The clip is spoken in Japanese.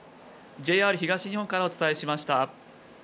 ＪＲ東日本からお伝えしました。